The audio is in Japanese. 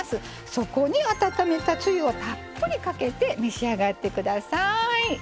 そこに温めたつゆをたっぷりかけて召し上がって下さい。